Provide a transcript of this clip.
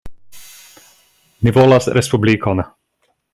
Ni volas respublikon.